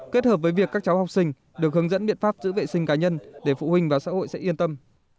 kết hợp với việc các cháu học sinh được hướng dẫn biện pháp giữ vệ sinh cá nhân để phụ huynh và xã hội sẽ yên tâm